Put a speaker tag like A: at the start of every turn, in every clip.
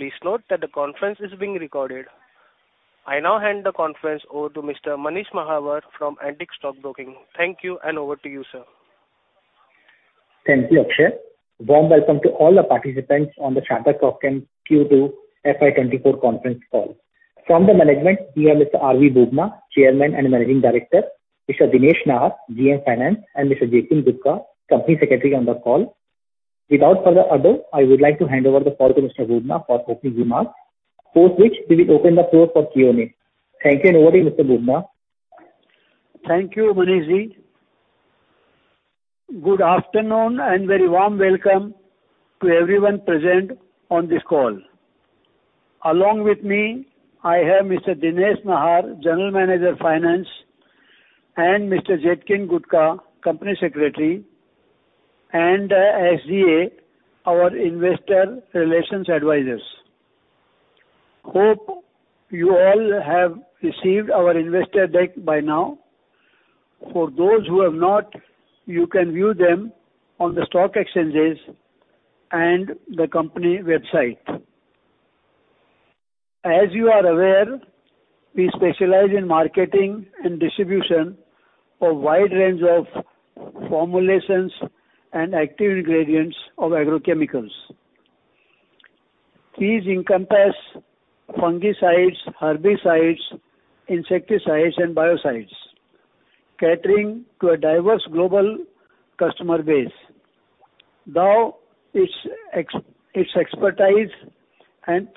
A: Please note that the conference is being recorded. I now hand the conference over to Mr. Manish Mahawar from Antique Stock Broking. Thank you, and over to you, sir.
B: Thank you, Akshay. Warm welcome to all the participants on the Sharda call and Q2 FY 2024 conference call. From the management, we have Mr. RV Bubna, Chairman and Managing Director, Mr. Dinesh Nahar, GM Finance, and Mr. Jetkin Gudhka, Company Secretary on the call. Without further ado, I would like to hand over the call to Mr. Bubna for opening remarks, after which we will open the floor for Q&A. Thank you, and over to you, Mr. Bubna.
C: Thank you, Manish Good afternoon, and very warm welcome to everyone present on this call. Along with me, I have Mr. Dinesh Nahar, General Manager, Finance, and Mr. Jetkin Gudhka, Company Secretary, and SGA, our investor relations advisors. Hope you all have received our investor deck by now. For those who have not, you can view them on the stock exchanges and the company website. As you are aware, we specialize in marketing and distribution for a wide range of formulations and active ingredients of agrochemicals. These encompass fungicides, herbicides, insecticides, and biocides, catering to a diverse global customer base. Through its expertise and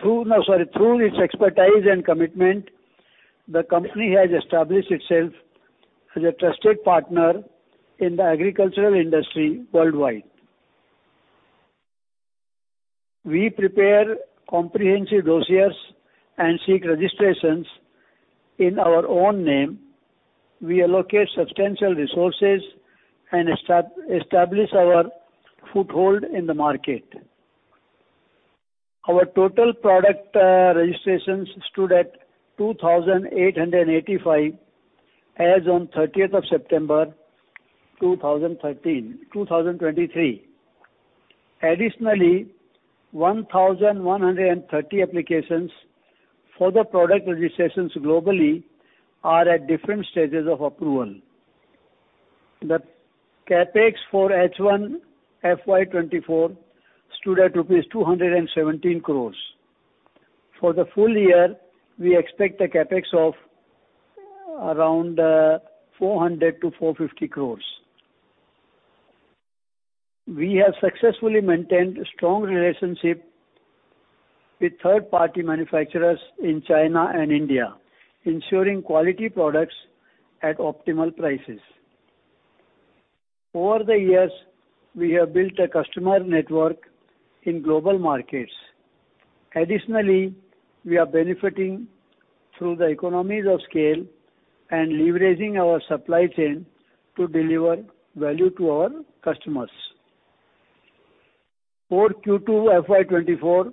C: commitment, the company has established itself as a trusted partner in the agricultural industry worldwide. We prepare comprehensive dossiers and seek registrations in our own name. We allocate substantial resources and establish our foothold in the market. Our total product registrations stood at 2,885, as on September 30th 2023. Additionally, 1,130 applications for the product registrations globally are at different stages of approval. The CapEx for H1 FY 2024 stood at rupees 217 crores. For the full year, we expect a CapEx of around 400-INR 450 crores. We have successfully maintained a strong relationship with third-party manufacturers in China and India, ensuring quality products at optimal prices. Over the years, we have built a customer network in global markets. Additionally, we are benefiting through the economies of scale and leveraging our supply chain to deliver value to our customers. For Q2 FY 2024,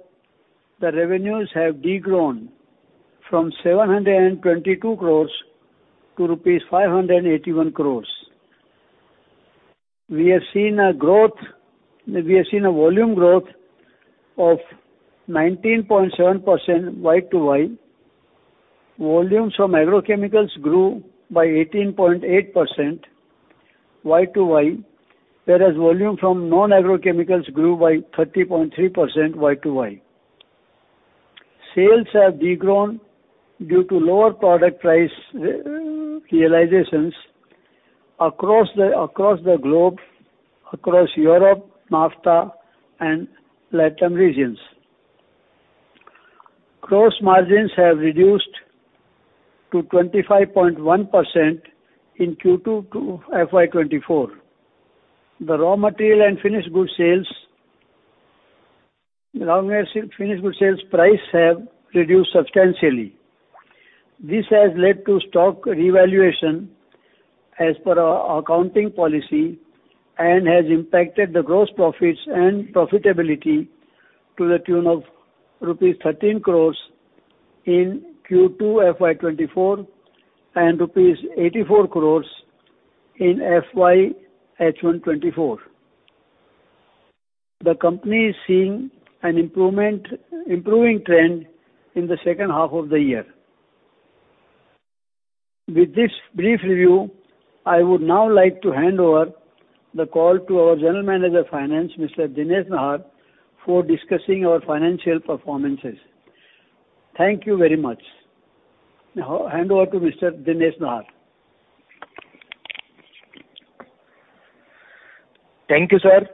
C: the revenues have degrown from 722 crores to rupees 581 crores. We have seen a volume growth of 19.7% Y to Y. Volumes from agrochemicals grew by 18.8% Y to Y, whereas volume from non-agrochemicals grew by 30.3% Y to Y. Sales have degrown due to lower product price realizations across the globe, across Europe, NAFTA, and LATAM regions. Gross margins have reduced to 25.1% in Q2 FY 2024. The raw material and finished good sales, raw material finished good sales price have reduced substantially. This has led to stock revaluation as per our accounting policy and has impacted the gross profits and profitability to the tune of rupees 13 crore in Q2 FY 2024 and rupees 84 crore in H1 FY 2024. The company is seeing an improvement, improving trend in the second half of the year. With this brief review, I would now like to hand over the call to our General Manager, Finance, Mr. Dinesh Nahar, for discussing our financial performances. Thank you very much. Now I hand over to Mr. Dinesh Nahar.
D: Thank you, sir.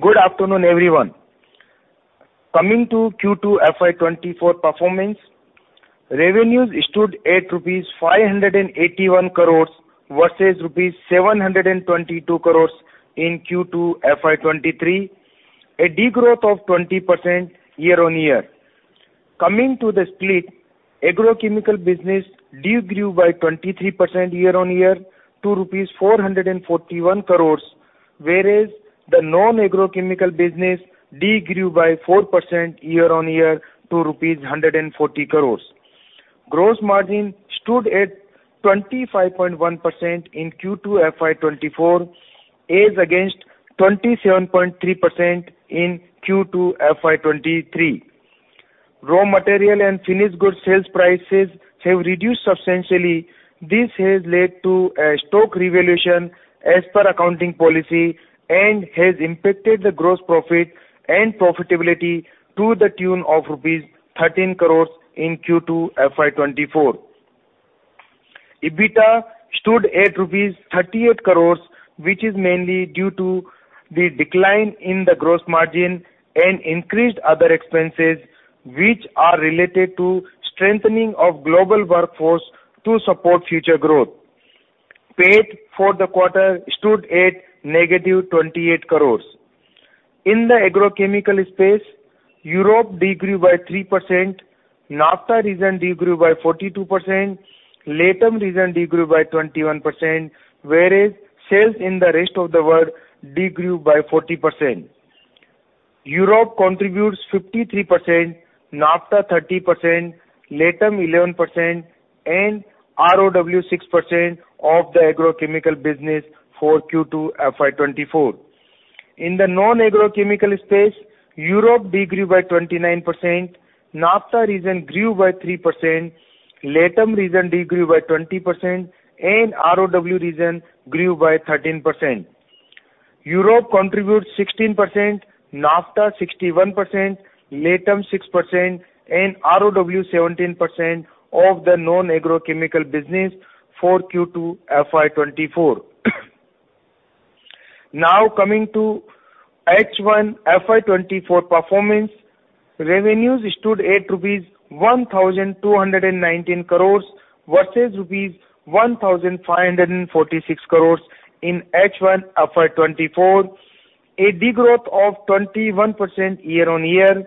D: Good afternoon, everyone. Coming to Q2 FY 2024 performance, revenues stood at rupees 581 crore, versus rupees 722 crore in Q2 FY 2023, a degrowth of 20% year-over-year. Coming to the split, agrochemical business degrew by 23% year-over-year to INR 441 crore, whereas the non-agrochemical business degrew by 4% year-over-year to rupees 140 crore... Gross margin stood at 25.1% in Q2 FY 2024, as against 27.3% in Q2 FY 2023. Raw material and finished goods sales prices have reduced substantially. This has led to a stock revaluation as per accounting policy and has impacted the gross profit and profitability to the tune of rupees 13 crore in Q2 FY 2024. EBITDA stood at rupees 38 crore, which is mainly due to the decline in the gross margin and increased other expenses, which are related to strengthening of global workforce to support future growth. PAT for the quarter stood at negative 28 crore. In the agrochemical space, Europe degrew by 3%, NAFTA region degrew by 42%, LATAM region degrew by 21%, whereas sales in the rest of the world degrew by 40%. Europe contributes 53%, NAFTA 30%, LATAM 11%, and ROW 6% of the agrochemical business for Q2 FY 2024. In the non-agrochemical space, Europe degrew by 29%, NAFTA region grew by 3%, LATAM region degrew by 20%, and ROW region grew by 13%. Europe contributes 16%, NAFTA 61%, LATAM 6%, and ROW 17% of the non-agrochemical business for Q2 FY 2024. Now, coming to H1 FY 2024 performance, revenues stood at rupees 1,219 crores, versus rupees 1,546 crores in H1 FY 2024, a degrowth of 21% year-on-year.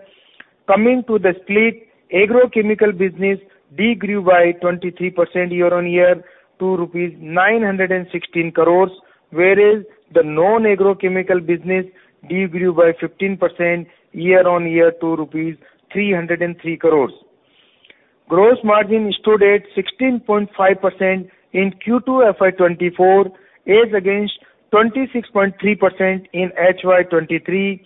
D: Coming to the split, agrochemical business degrew by 23% year-on-year to rupees 916 crores, whereas the non-agrochemical business degrew by 15% year-on-year to INR 303 crores. Gross margin stood at 16.5% in Q2 FY 2024, as against 26.3% in FY 2023.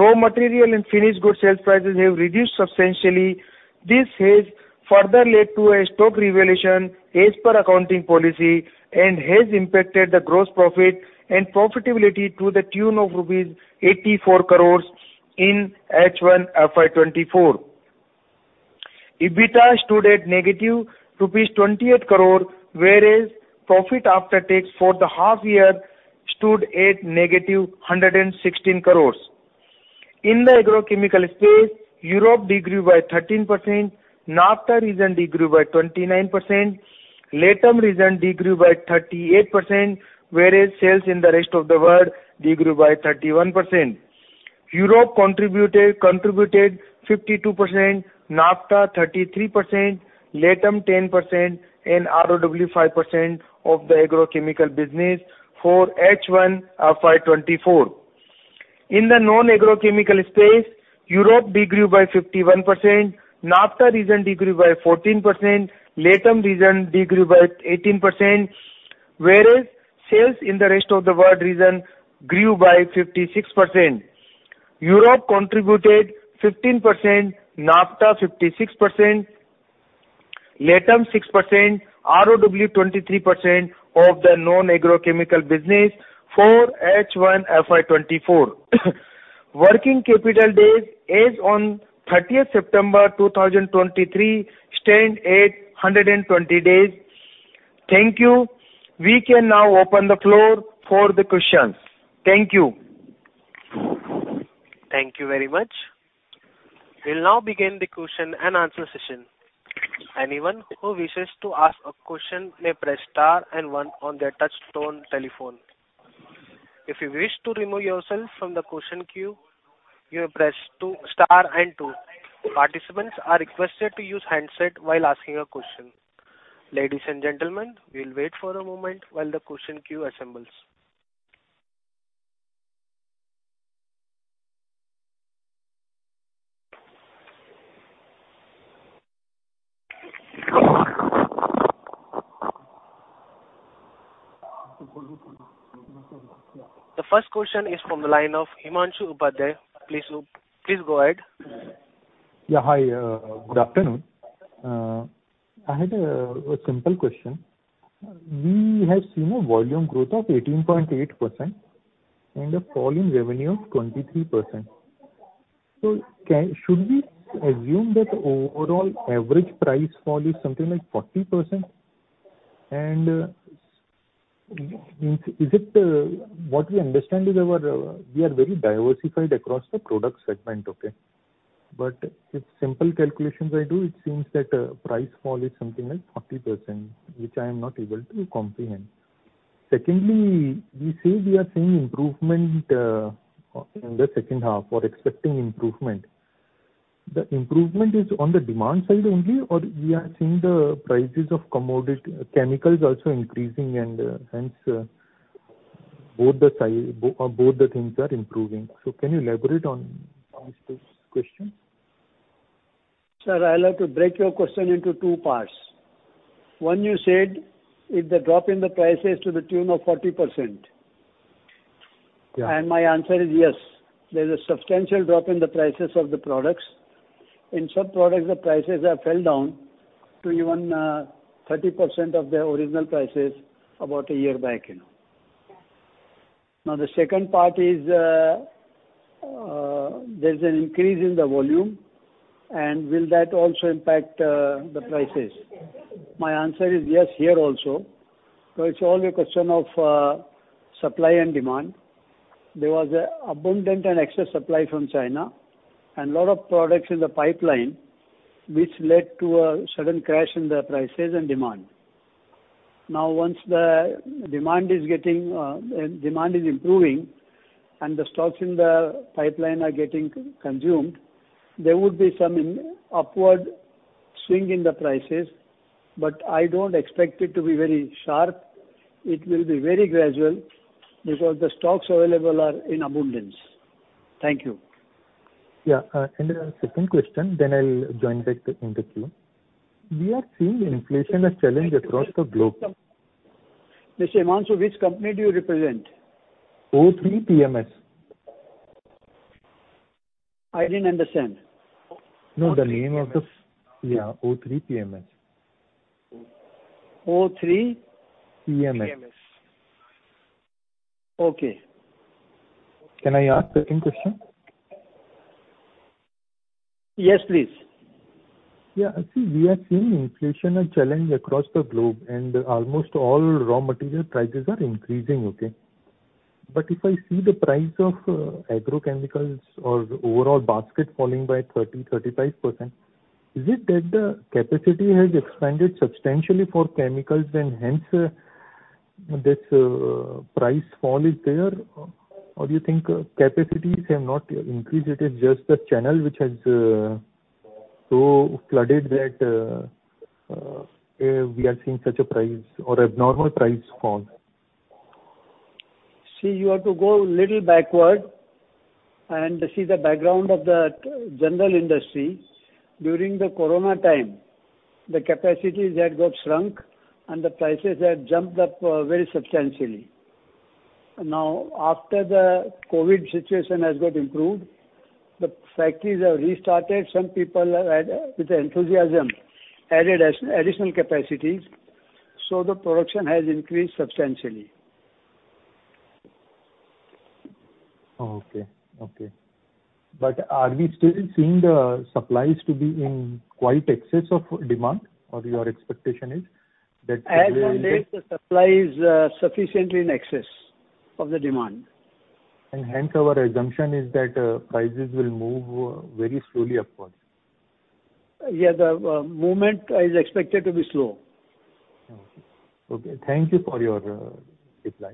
D: Raw material and finished goods sales prices have reduced substantially. This has further led to a stock revaluation as per accounting policy and has impacted the gross profit and profitability to the tune of rupees 84 crore in H1 FY 2024. EBITDA stood at negative rupees 28 crore, whereas profit after tax for the half year stood at negative 116 crore. In the agrochemical space, Europe de grew by 13%, NAFTA region de grew by 29%, LATAM region de grew by 38%, whereas sales in the rest of the world de grew by 31%. Europe contributed, contributed 52%, NAFTA 33%, LATAM 10%, and ROW 5% of the agrochemical business for H1 FY 2024. In the non-agrochemical space, Europe de grew by 51%, NAFTA region de grew by 14%, LATAM region de grew by 18%, whereas sales in the rest of the world region grew by 56%. Europe contributed 15%, NAFTA 56%, LATAM 6%, ROW 23% of the non-agrochemical business for H1 FY 2024. Working capital days as on 30th September 2023, stand at 120 days. Thank you. We can now open the floor for the questions. Thank you.
A: Thank you very much. We'll now begin the question and answer session. Anyone who wishes to ask a question may press star and one on their touchtone telephone. If you wish to remove yourself from the question queue, you may press two-star and two. Participants are requested to use handset while asking a question. Ladies and gentlemen, we'll wait for a moment while the question queue assembles. The first question is from the line of Himanshu Upadhyay. Please, please go ahead.
E: Yeah, hi, good afternoon. I had a simple question. We have seen a volume growth of 18.8% and a fall in revenue of 23%. So should we assume that overall average price fall is something like 40%? And, is it... What we understand is we are very diversified across the product segment, okay? But with simple calculations I do, it seems that price fall is something like 40%, which I am not able to comprehend. Secondly, you say we are seeing improvement in the second half or expecting improvement. The improvement is on the demand side only, or we are seeing the prices of commodity chemicals also increasing and hence both sides, both things are improving. So can you elaborate on this question?
C: Sir, I'll have to break your question into two parts. One, you said if the drop in the price is to the tune of 40%.
E: Yeah.
C: My answer is yes, there's a substantial drop in the prices of the products. In some products, the prices have fell down to even 30% of their original prices about a year back, you know. Now, the second part is, there's an increase in the volume, and will that also impact the prices? My answer is yes here also. So it's only a question of supply and demand. There was abundant and excess supply from China and lot of products in the pipeline, which led to a sudden crash in the prices and demand. Now, once demand is improving, and the stocks in the pipeline are getting consumed, there would be some upward swing in the prices, but I don't expect it to be very sharp. It will be very gradual, because the stocks available are in abundance. Thank you.
E: Yeah. And the second question, then I'll join back the interview. We are seeing inflation as challenge across the globe.
C: Mr. Himanshu, which company do you represent?
E: o3 PMS.
C: I didn't understand.
E: No... Yeah, o3 PMS.
C: o3?
E: PMS.
C: Okay.
F: Can I ask second question?
C: Yes, please.
E: Yeah, I see we are seeing inflation a challenge across the globe, and almost all raw material prices are increasing, okay? But if I see the price of, agrochemicals or the overall basket falling by 30%-35%, is it that the capacity has expanded substantially for chemicals and hence, this, price fall is there? Or do you think capacities have not increased, it is just the channel which has, so flooded that, we are seeing such a price or abnormal price fall?
C: See, you have to go a little backward and see the background of the general industry. During the Corona time, the capacities had got shrunk, and the prices had jumped up very substantially. Now, after the COVID situation has got improved, the factories have restarted. Some people have had, with enthusiasm, added additional capacities, so the production has increased substantially.
E: Okay. Okay. But are we still seeing the supplies to be in quite excess of demand, or your expectation is that?
C: As of now, the supply is sufficiently in excess of the demand.
E: Hence, our assumption is that prices will move very slowly upward.
C: Yeah, the movement is expected to be slow.
F: Okay. Thank you for your reply.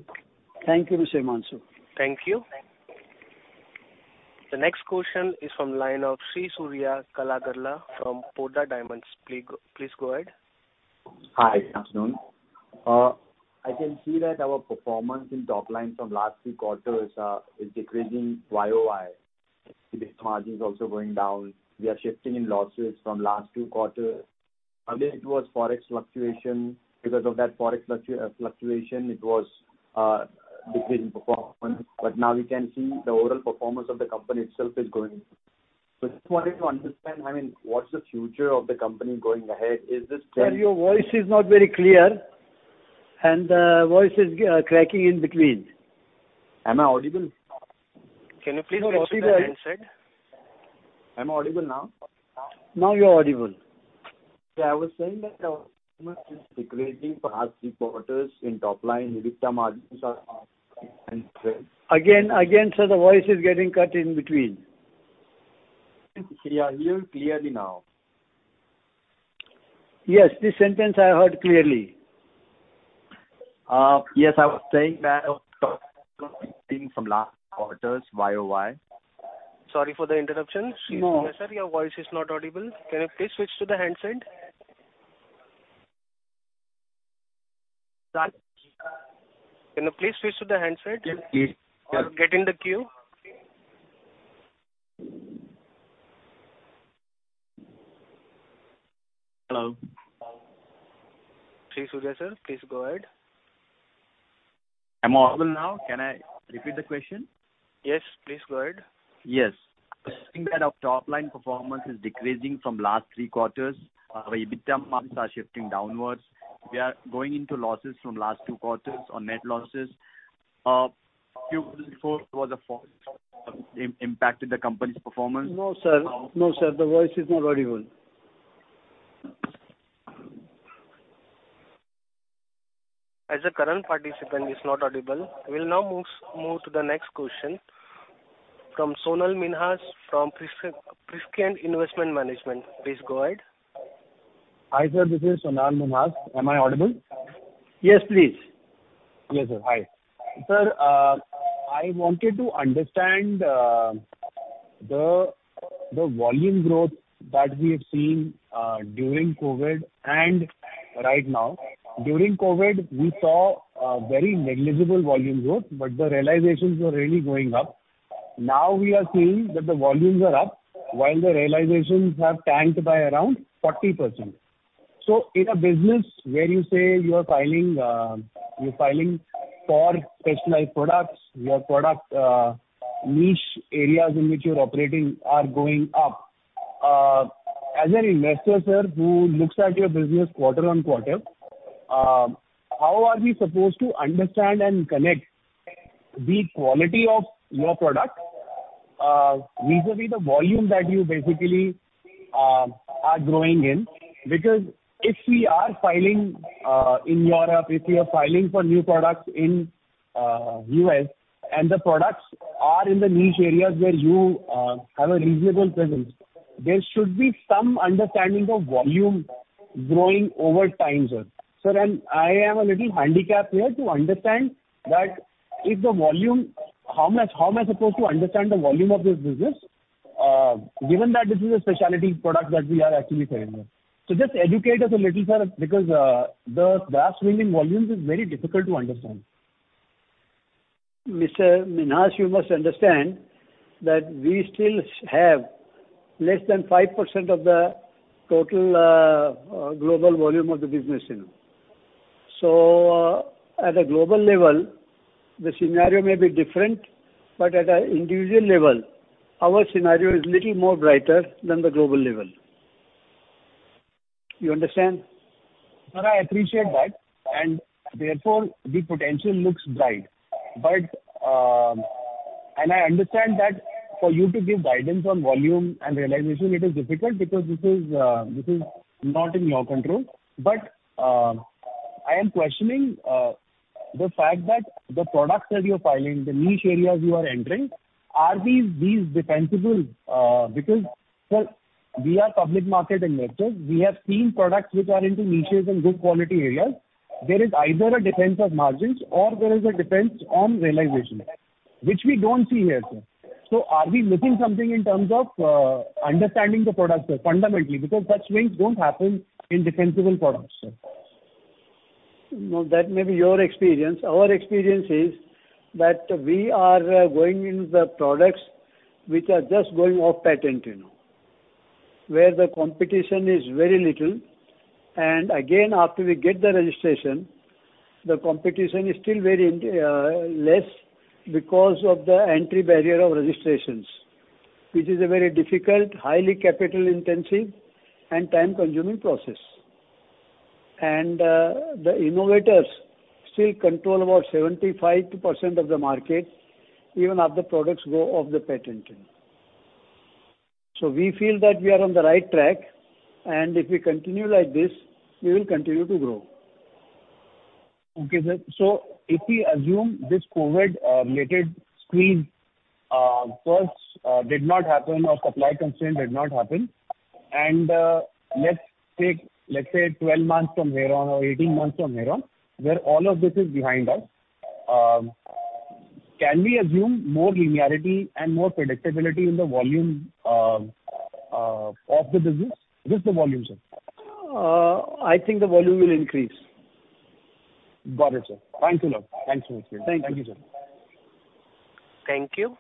C: Thank you, Mr. Himanshu.
A: Thank you. The next question is from line of Sri Surya Kalagarla from Poddar Diamonds. Please go, please go ahead.
G: Hi, good afternoon. I can see that our performance in top line from last three quarters is decreasing YOY. EBITDA margin is also going down. We are shifting in losses from last two quarters. Earlier it was Forex fluctuation. Because of that Forex fluctuation, it was decreasing performance, but now we can see the overall performance of the company itself is going. So I just wanted to understand, I mean, what's the future of the company going ahead? Is this-
C: Sir, your voice is not very clear, and voice is cracking in between.
G: Am I audible?
A: Can you please switch to the handset?
G: Am I audible now?
C: Now you are audible.
G: Yeah, I was saying that our performance is decreasing for last three quarters in top line, EBITDA margins are...
C: Again, again, sir, the voice is getting cut in between.
G: You can hear clearly now.
C: Yes, this sentence I heard clearly.
G: Yes. I was saying that from last quarters YOY.
A: Sorry for the interruptions.
C: No.
A: Sir, your voice is not audible. Can you please switch to the handset? Can you please switch to the handset?
G: Yes, please.
A: Or get in the queue.
G: Hello.
A: Sri Surya, sir, please go ahead.
G: Am I audible now? Can I repeat the question?
A: Yes, please go ahead.
G: Yes. I think that our top line performance is decreasing from last three quarters. Our EBITDA margins are shifting downwards. We are going into losses from last two quarters on net losses. Few quarters before was a fall, impacted the company's performance.
C: No, sir. No, sir, the voice is not audible.
A: As the current participant is not audible, we'll now move to the next question from Sonal Minhas from Prescient Capital. Please go ahead.
H: Hi, sir, this is Sonal Minhas. Am I audible?
C: Yes, please.
H: Yes, sir. Hi. Sir, I wanted to understand. The volume growth that we have seen during COVID and right now, during COVID, we saw a very negligible volume growth, but the realizations were really going up. Now we are seeing that the volumes are up, while the realizations have tanked by around 40%. So in a business where you say you are filing, you're filing for specialized products, your product niche areas in which you're operating are going up. As an investor, sir, who looks at your business quarter-on-quarter, how are we supposed to understand and connect the quality of your product vis-a-vis the volume that you basically are growing in? Because if we are filing in Europe, if we are filing for new products in U.S., and the products are in the niche areas where you have a reasonable presence, there should be some understanding of volume growing over time, sir. Sir, and I am a little handicapped here to understand that if the volume—how am I, how am I supposed to understand the volume of this business, given that this is a specialty product that we are actually selling here? So just educate us a little, sir, because the vast swing in volumes is very difficult to understand.
C: Mr. Minhas, you must understand that we still have less than 5% of the total global volume of the business, you know. So at a global level, the scenario may be different, but at an individual level, our scenario is little more brighter than the global level. You understand?
H: Sir, I appreciate that, and therefore, the potential looks bright. But, and I understand that for you to give guidance on volume and realization, it is difficult, because this is not in your control. But, I am questioning the fact that the products that you're filing, the niche areas you are entering, are these, these defensible? Because, sir, we are public market investors. We have seen products which are into niches and good quality areas. There is either a defense of margins or there is a defense on realization, which we don't see here, sir. So are we missing something in terms of understanding the product, sir, fundamentally? Because such swings don't happen in defensible products, sir.
C: No, that may be your experience. Our experience is that we are going into the products which are just going off-patent, you know, where the competition is very little. And again, after we get the registration, the competition is still very in, less because of the entry barrier of registrations, which is a very difficult, highly capital-intensive and time-consuming process. And, the innovators still control about 75% of the market, even after products go off-patent, you know. So we feel that we are on the right track, and if we continue like this, we will continue to grow.
H: Okay, sir. So if we assume this COVID-related screen first did not happen or supply constraint did not happen, and let's take, let's say, 12 months from hereon or 18 months from hereon, where all of this is behind us, can we assume more linearity and more predictability in the volume of the business, just the volume, sir?
C: I think the volume will increase.
H: Got it, sir. Thank you, lot. Thanks so much.
C: Thank you.
H: Thank you, sir.
A: Thank you.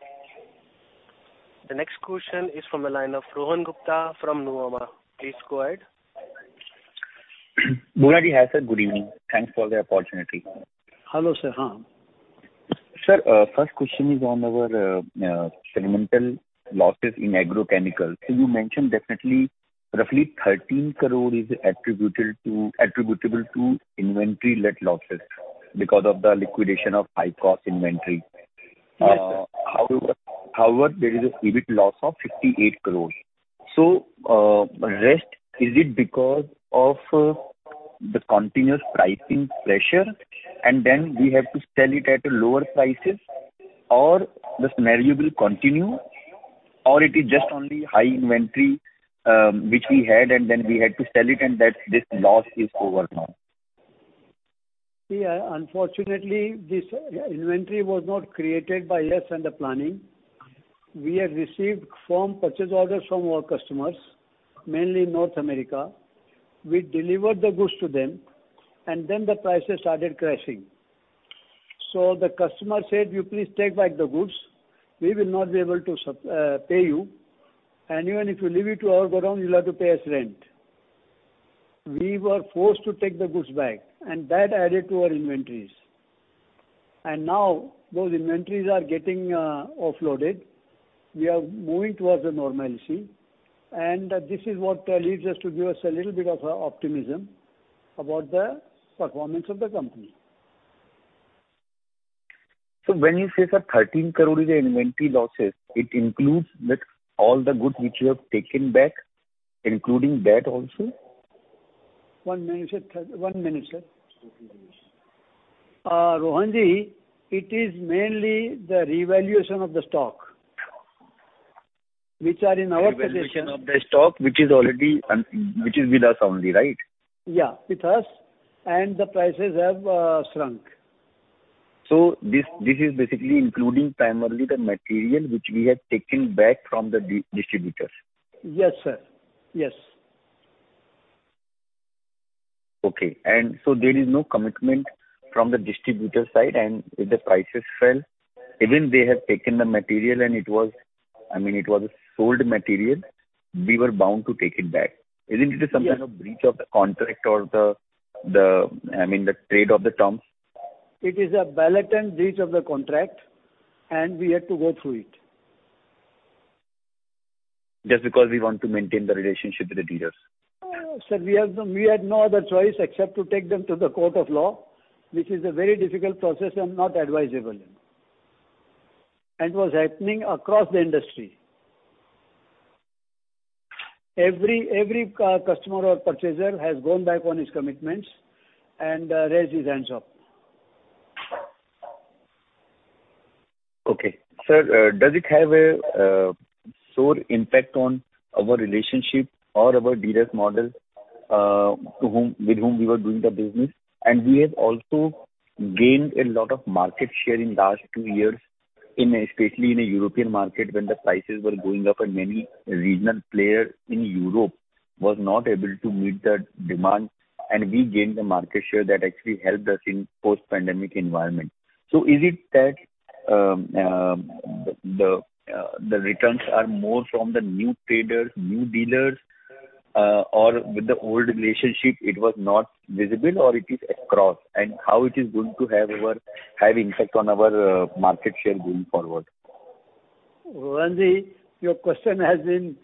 A: The next question is from the line of Rohan Gupta from Nuvama. Please go ahead.
I: Rohanji, hi, sir, good evening. Thanks for the opportunity.
C: Hello, sir.
I: Sir, first question is on our segmental losses in agrochemicals. So you mentioned definitely roughly 13 crore is attributable to inventory led losses because of the liquidation of high-cost inventory.
C: Yes, sir.
I: However, there is an EBIT loss of 58 crore. So, rest, is it because of the continuous pricing pressure, and then we have to sell it at a lower prices, or the scenario will continue, or it is just only high inventory, which we had and then we had to sell it and that this loss is over now?
C: Yeah, unfortunately, this inventory was not created by us and the planning. We have received firm purchase orders from our customers, mainly in North America. We delivered the goods to them, and then the prices started crashing. So the customer said, "You please take back the goods. We will not be able to pay you. And even if you leave it to our godown, you'll have to pay us rent." We were forced to take the goods back, and that added to our inventories. And now, those inventories are getting offloaded. We are moving towards the normalcy, and this is what leads us to give us a little bit of optimism about the performance of the company.
I: When you say, sir, 13 crore is the inventory losses, it includes that all the goods which you have taken back, including that also?
C: One minute, sir. One minute, sir. Rohan, it is mainly the revaluation of the stock, which are in our possession
I: Revaluation of the stock, which is already with us only, right?
C: Yeah, with us, and the prices have shrunk.
I: So this, this is basically including primarily the material which we have taken back from the distributors?
C: Yes, sir. Yes.
I: Okay. And so there is no commitment from the distributor side, and if the prices fell, even they have taken the material and it was, I mean, it was a sold material, we were bound to take it back. Isn't it some kind of breach of the contract or the, I mean, the trade of the terms?
C: It is a blatant breach of the contract, and we had to go through it.
I: Just because we want to maintain the relationship with the dealers?
C: Sir, we had no other choice except to take them to the court of law, which is a very difficult process and not advisable, you know. It was happening across the industry. Every customer or purchaser has gone back on his commitments and raised his hands up.
I: Okay. Sir, does it have a severe impact on our relationship or our dealers' model, to whom, with whom we were doing the business? And we have also gained a lot of market share in last two years in, especially in a European market, when the prices were going up and many regional player in Europe was not able to meet that demand, and we gained the market share that actually helped us in post-pandemic environment. So is it that, the returns are more from the new traders, new dealers, or with the old relationship, it was not visible, or it is across? And how it is going to have impact on our market share going forward?
C: Ranjit, your question has been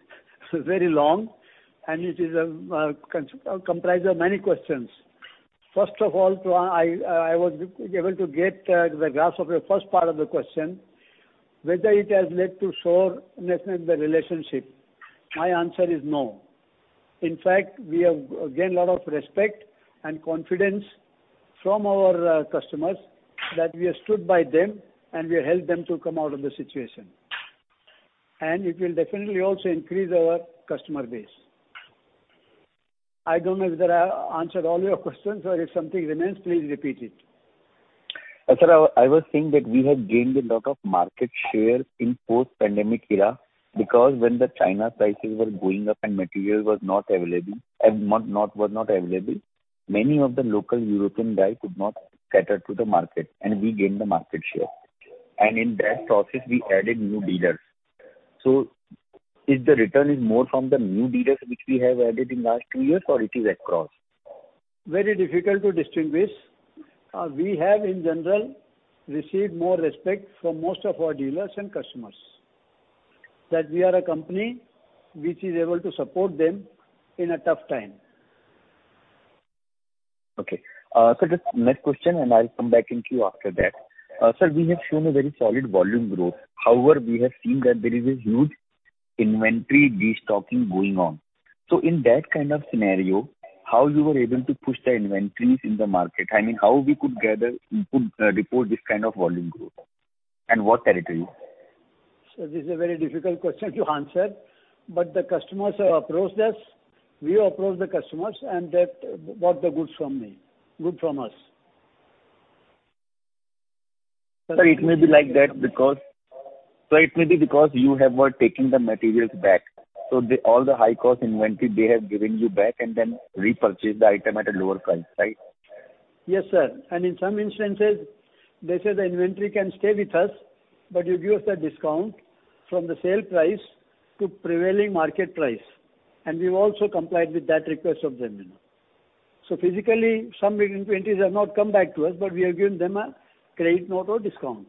C: very long, and it is comprised of many questions. First of all, I was able to get the grasp of your first part of the question. Whether it has led to soreness in the relationship, my answer is no. In fact, we have gained a lot of respect and confidence from our customers, that we have stood by them, and we have helped them to come out of the situation. And it will definitely also increase our customer base. I don't know if that I answered all your questions, or if something remains, please repeat it.
I: Sir, I was saying that we had gained a lot of market share in post-pandemic era, because when the China prices were going up and material was not available, many of the local European guy could not cater to the market, and we gained the market share. And in that process, we added new dealers. So is the return more from the new dealers which we have added in last two years, or it is across?
C: Very difficult to distinguish. We have, in general, received more respect from most of our dealers and customers, that we are a company which is able to support them in a tough time.
I: Okay. Sir, next question, and I'll come back into you after that. Sir, we have shown a very solid volume growth. However, we have seen that there is a huge inventory de-stocking going on. So in that kind of scenario, how you were able to push the inventories in the market? I mean, how we could gather input report this kind of volume growth, and what territory?
C: Sir, this is a very difficult question to answer, but the customers have approached us, we approach the customers, and that bought the goods from me, goods from us.
I: Sir, it may be because you were taking the materials back, so all the high-cost inventory they have given you back and then repurchase the item at a lower cost, right?
C: Yes, sir. In some instances, they say the inventory can stay with us, but you give us the discount from the sale price to prevailing market price, and we've also complied with that request of them, you know. So physically, some inventories have not come back to us, but we have given them a credit note or discount.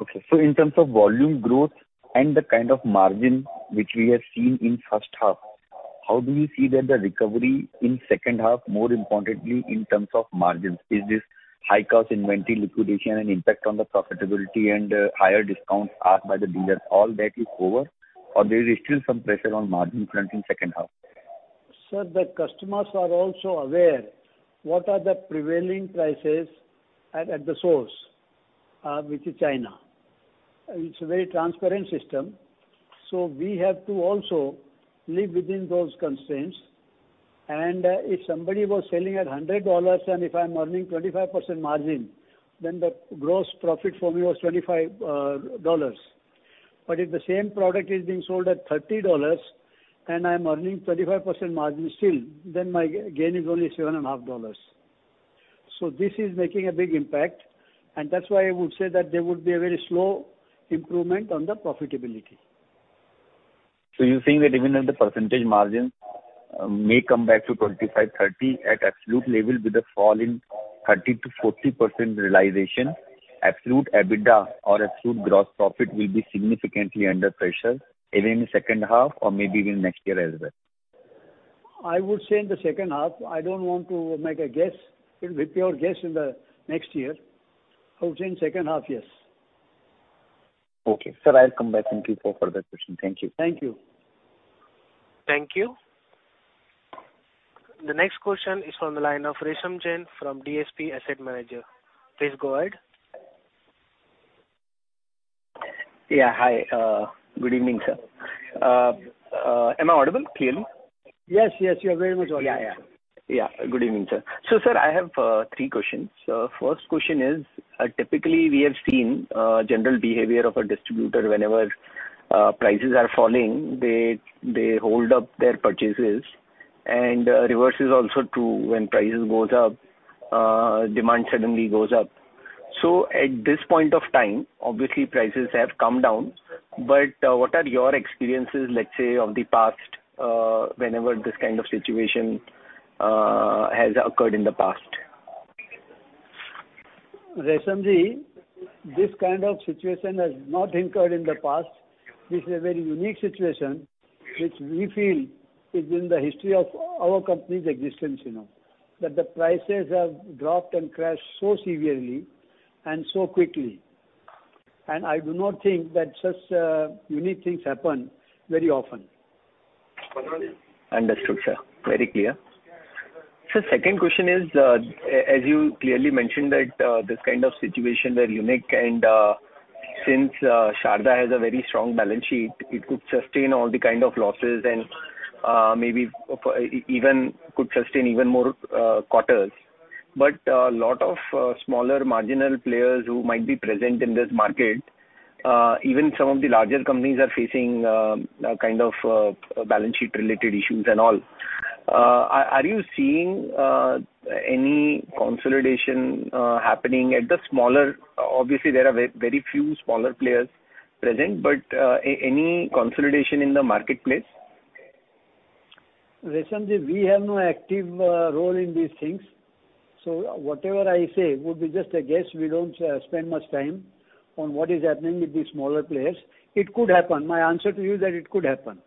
I: Okay. So in terms of volume growth and the kind of margin which we have seen in first half, how do we see that the recovery in second half, more importantly, in terms of margins? Is this high-cost inventory liquidation an impact on the profitability and, higher discounts asked by the dealers, all that is over, or there is still some pressure on margin front in second half?
C: Sir, the customers are also aware what the prevailing prices at the source, which is China, are. It's a very transparent system, so we have to also live within those constraints. And if somebody was selling at $100, and if I'm earning 25% margin, then the gross profit for me was $25. But if the same product is being sold at $30, and I'm earning 35% margin still, then my gain is only $7.50. So this is making a big impact, and that's why I would say that there would be a very slow improvement on the profitability.
I: So you're saying that even if the percentage margin may come back to 25%-30%, at absolute level, with a fall in 30%-40% realization, absolute EBITDA or absolute gross profit will be significantly under pressure, even in the second half or maybe even next year as well?
C: I would say in the second half. I don't want to make a guess, it with your guess in the next year. I would say in second half, yes.
I: Okay. Sir, I'll come back to you for further questions. Thank you.
C: Thank you.
A: Thank you. The next question is from the line of Resham Jain from DSP Asset Managers. Please go ahead.
J: Yeah. Hi, good evening, sir. Am I audible clearly?
C: Yes, yes, you are very much audible.
J: Yeah, yeah. Yeah. Good evening, sir. So, sir, I have three questions. First question is, typically, we have seen general behavior of a distributor. Whenever prices are falling, they, they hold up their purchases, and reverse is also true. When prices goes up, demand suddenly goes up. So at this point of time, obviously, prices have come down, but what are your experiences, let's say, of the past, whenever this kind of situation has occurred in the past?
C: Resham, this kind of situation has not occurred in the past. This is a very unique situation, which we feel is in the history of our company's existence, you know. That the prices have dropped and crashed so severely and so quickly, and I do not think that such unique things happen very often.
J: Understood, sir. Very clear. Sir, second question is, as you clearly mentioned, that this kind of situation were unique and since Sharda has a very strong balance sheet, it could sustain all the kind of losses and maybe for even could sustain even more quarters. But lot of smaller marginal players who might be present in this market, even some of the larger companies are facing a kind of balance sheet-related issues and all. Are you seeing any consolidation happening at the smaller...? Obviously, there are very, very few smaller players present, but any consolidation in the marketplace?
C: Resham, we have no active role in these things, so whatever I say would be just a guess. We don't spend much time on what is happening with the smaller players. It could happen. My answer to you is that it could happen,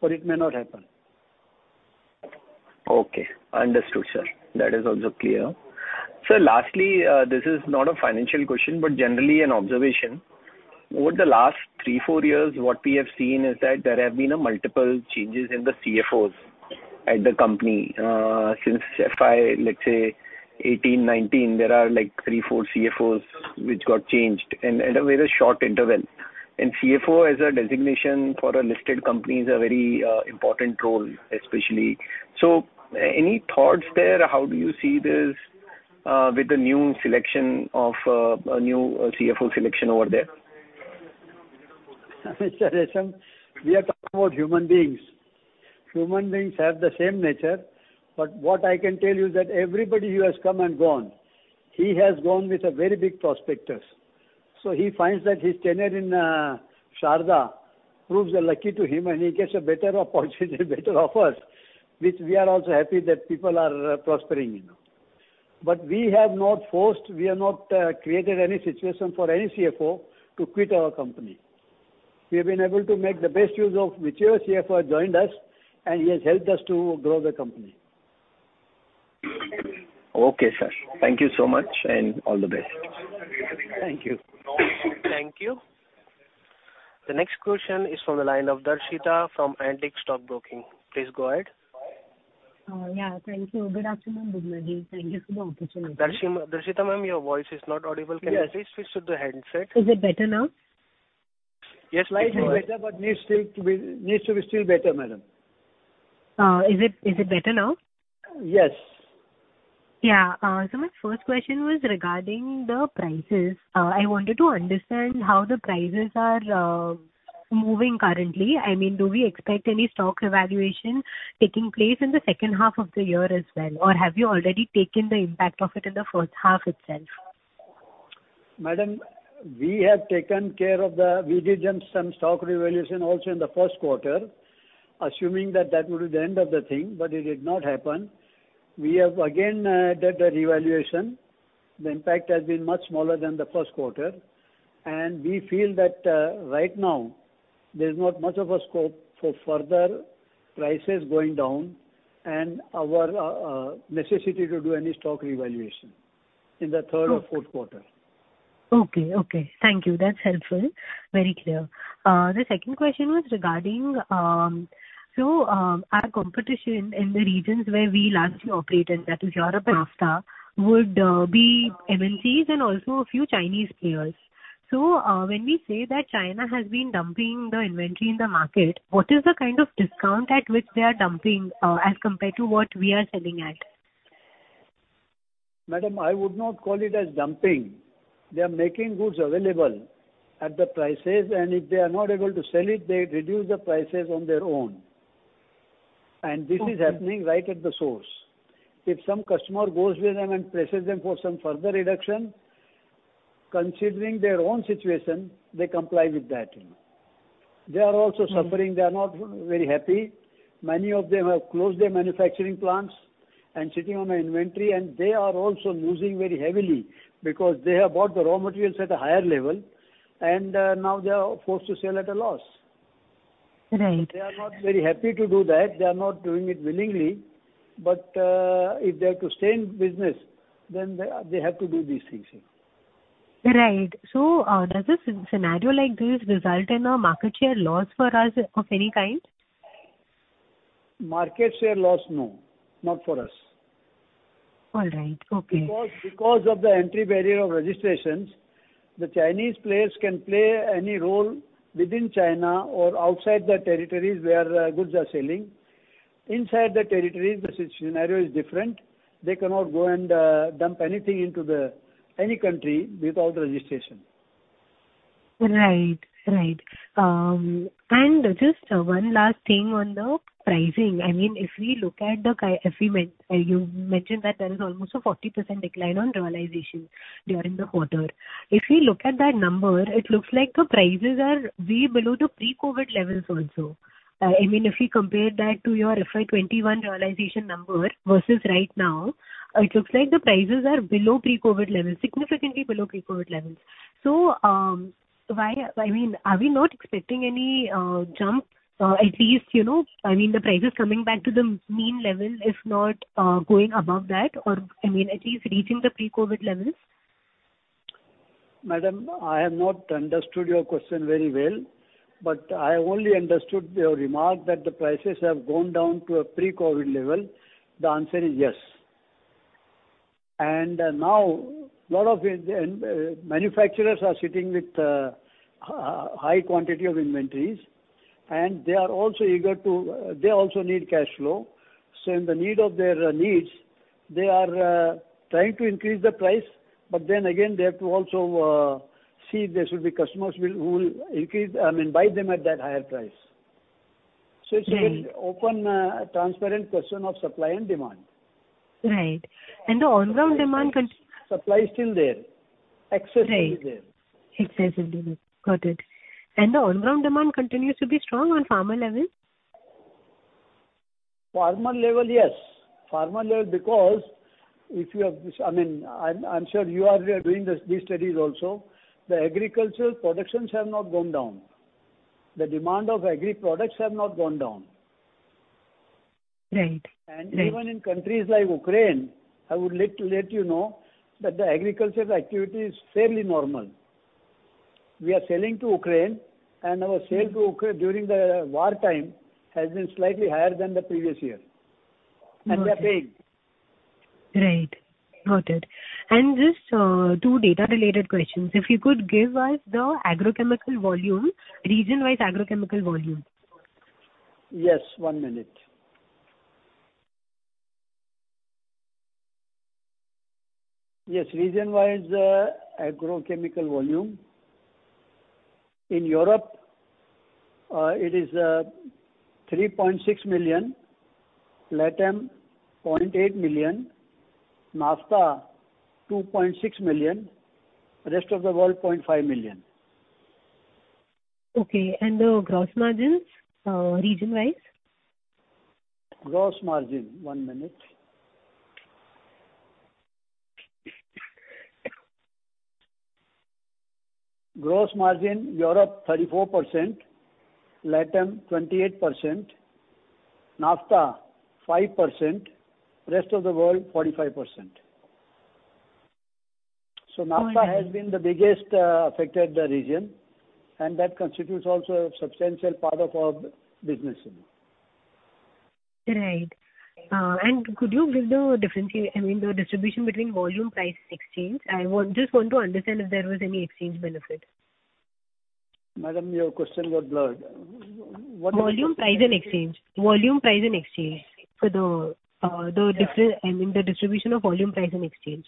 C: but it may not happen.
J: Okay, understood, sir. That is also clear. Sir, lastly, this is not a financial question, but generally an observation. Over the last three, four years, what we have seen is that there have been multiple changes in the CFOs at the company. Since FY, let's say, 18-19, there are, like, three, four CFOs which got changed, and at a very short interval. And CFO, as a designation for a listed company, is a very important role, especially. So, any thoughts there? How do you see this, with the new selection of a new CFO selection over there?
C: Mr. Resham, we are talking about human beings. Human beings have the same nature, but what I can tell you is that everybody who has come and gone, he has gone with a very big prospectus. So he finds that his tenure in Sharda proves lucky to him, and he gets a better opportunity, better offers, which we are also happy that people are prospering, you know. But we have not forced, we have not created any situation for any CFO to quit our company. We have been able to make the best use of whichever CFO has joined us, and he has helped us to grow the company.
J: Okay, sir. Thank you so much, and all the best.
C: Thank you.
A: Thank you. The next question is from the line of Darshita from Antique Stock Broking. Please go ahead.
K: Yeah, thank you. Good afternoon, Bubna. Thank you for the opportunity.
A: Darshita, Darshita, ma'am, your voice is not audible.
C: Yes.
A: Can you please switch to the headset?
K: Is it better now?
C: Yes, slightly better, but needs to be still better, madam.
K: Is it better now?
C: Yes.
K: Yeah, so my first question was regarding the prices. I wanted to understand how the prices are moving currently. I mean, do we expect any stock evaluation taking place in the second half of the year as well, or have you already taken the impact of it in the first half itself?
C: Madam, we have taken care of the. We did some stock revaluation also in the first quarter, assuming that that would be the end of the thing, but it did not happen. We have again did that revaluation. The impact has been much smaller than the first quarter, and we feel that right now, there's not much of a scope for further prices going down and our necessity to do any stock revaluation in the third or fourth quarter.
K: Okay, okay. Thank you. That's helpful. Very clear. The second question was regarding, so, our competition in the regions where we largely operate in, that is Europe and NAFTA, would be MNCs and also a few Chinese players. So, when we say that China has been dumping the inventory in the market, what is the kind of discount at which they are dumping, as compared to what we are selling at?
C: Madam, I would not call it as dumping. They are making goods available at the prices, and if they are not able to sell it, they reduce the prices on their own.
K: Okay.
C: This is happening right at the source. If some customer goes with them and presses them for some further reduction, considering their own situation, they comply with that, you know. They are also suffering.
K: Mm.
C: They are not very happy. Many of them have closed their manufacturing plants and sitting on an inventory, and they are also losing very heavily because they have bought the raw materials at a higher level, and now they are forced to sell at a loss.
K: Right.
C: They are not very happy to do that. They are not doing it willingly, but if they are to stay in business, then they have to do these things.
K: Right. So, does a scenario like this result in a market share loss for us of any kind?
C: Market share loss, no, not for us.
K: All right. Okay.
C: Because, because of the entry barrier of registrations, the Chinese players can play any role within China or outside the territories where goods are selling. Inside the territories, the scenario is different. They cannot go and dump anything into the any country without registration.
K: Right. Right. And just one last thing on the pricing. I mean, if we look at the, you mentioned that there is almost a 40% decline on realization during the quarter. If we look at that number, it looks like the prices are way below the pre-COVID levels also. I mean, if we compare that to your FY 2021 realization number versus right now, it looks like the prices are below pre-COVID levels, significantly below pre-COVID levels. So, why, I mean, are we not expecting any, jump, at least, you know, I mean, the prices coming back to the mean level, if not, going above that? Or, I mean, at least reaching the pre-COVID levels.
C: Madam, I have not understood your question very well, but I only understood your remark that the prices have gone down to a pre-COVID level. The answer is yes. And now, a lot of the manufacturers are sitting with high quantity of inventories, and they are also eager to... They also need cash flow. So in the need of their needs, they are trying to increase the price, but then again, they have to also see if there should be customers will, who will increase, I mean, buy them at that higher price.
K: Right.
C: So it's an open, transparent question of supply and demand.
K: Right. And the on-ground demand con-
C: Supply is still there.
K: Right.
C: Excess is there.
K: Excess is there. Got it. And the on-ground demand continues to be strong on farmer level?
C: Farmer level, yes. Farmer level, because if you have... I mean, I'm sure you are doing this, these studies also. The agricultural productions have not gone down. The demand of agri products have not gone down.
K: Right. Right.
C: Even in countries like Ukraine, I would like to let you know that the agricultural activity is fairly normal. We are selling to Ukraine, and our sale to Ukraine during the wartime has been slightly higher than the previous year.
K: Mm.
C: They are paying.
K: Right. Got it. And just, two data-related questions. If you could give us the agrochemical volume, region-wise agrochemical volume.
C: Yes, one minute. Yes, region-wise, agrochemical volume. In Europe, it is 3.6 million, LATAM, 0.8 million, NAFTA, 2.6 million, rest of the world, 0.5 million.
K: Okay, and the gross margins, region-wise?
C: Gross margin, one minute. Gross margin, Europe, 34%, LATAM, 28%, NAFTA, 5%, rest of the world, 45%.
K: All right.
C: NAFTA has been the biggest affected region, and that constitutes also a substantial part of our business.
K: Right. And could you give the difference, I mean, the distribution between volume, price, and exchange? I want, just want to understand if there was any exchange benefit.
C: Madam, your question got blurred. What
K: Volume, price, and exchange. Volume, price, and exchange. So the, the differ- I mean, the distribution of volume, price, and exchange.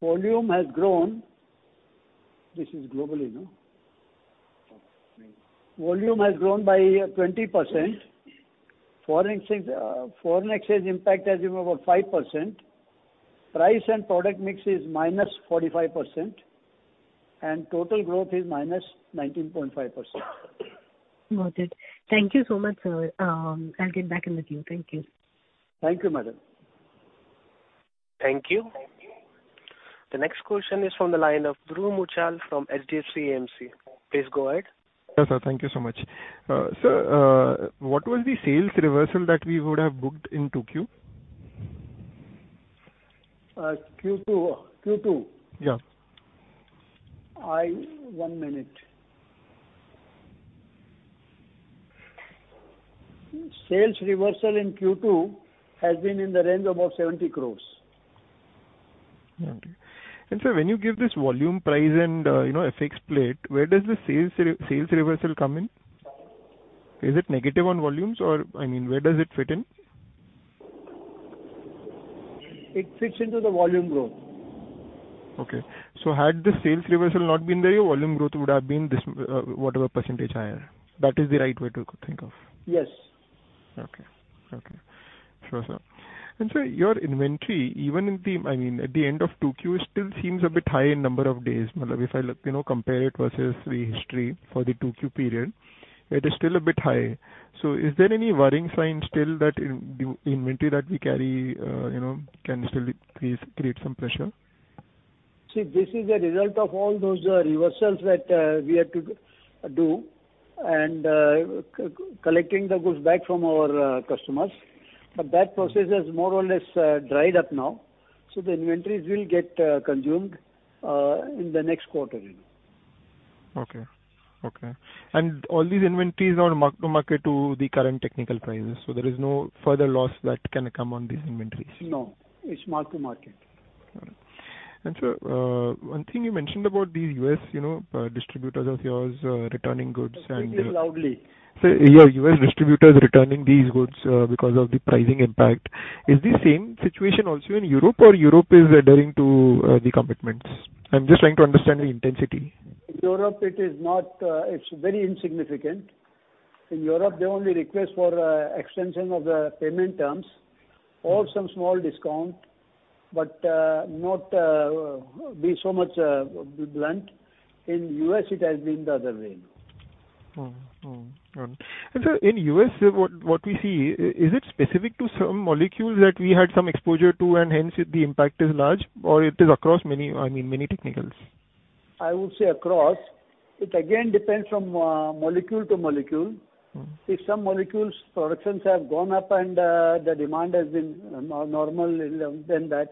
C: Volume has grown. This is globally, no? Volume has grown by 20%. Foreign exchange impact has been about 5%. Price and product mix is -45%, and total growth is -19.5%.
K: Got it. Thank you so much, sir. I'll get back in with you. Thank you.
C: Thank you, madam.
A: Thank you. The next question is from the line of Dhruv Muchhal from HDFC AMC. Please go ahead.
L: Yeah, sir. Thank you so much. Sir, what was the sales reversal that we would have booked in 2Q?
C: Q2, Q2?
L: Yeah.
C: One minute. Sales reversal in Q2 has been in the range of about 70 crores.
L: Okay. And sir, when you give this volume, price, and, you know, FX split, where does the sales reversal come in? Is it negative on volumes or, I mean, where does it fit in?
C: It fits into the volume growth.
L: Okay. So had the sales reversal not been there, your volume growth would have been this, whatever percentage higher. That is the right way to think of?
C: Yes.
L: Okay. Okay. Sure, sir. And sir, your inventory, even in the, I mean, at the end of 2Q, still seems a bit high in number of days. I mean, if I look, you know, compare it versus the history for the 2Q period, it is still a bit high. So is there any worrying sign still that in, the inventory that we carry, you know, can still create, create some pressure?
C: See, this is a result of all those reversals that we had to do, and collecting the goods back from our customers. But that process has more or less dried up now. So the inventories will get consumed in the next quarter, you know.
L: Okay, okay. All these inventories are mark-to-market to the current technical prices, so there is no further loss that can come on these inventories?
C: No, it's mark-to-market.
L: Sir, one thing you mentioned about the U.S., you know, distributors of yours, returning goods and
C: Speaking loudly.
L: Sir, yeah, U.S. distributors returning these goods, because of the pricing impact. Is the same situation also in Europe, or Europe is adhering to the commitments? I'm just trying to understand the intensity.
C: In Europe, it is not, it's very insignificant. In Europe, they only request for extension of the payment terms or some small discount, but not be so much blunt. In U.S., it has been the other way.
L: Mm-hmm, mm-hmm. And, sir, in U.S., what we see, is it specific to some molecules that we had some exposure to, and hence, the impact is large, or it is across many, I mean, many technicals?
C: I would say across. It again depends from, molecule to molecule.
L: Mm-hmm.
C: If some molecules productions have gone up and the demand has been normal than that,